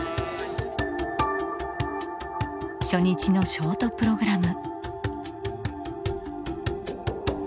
初日のショートプログラム。